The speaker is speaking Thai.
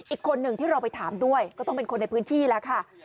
อีกคนหนึ่งที่เราไปถามด้วยก็ต้องเป็นคนในพื้นที่แล้วค่ะ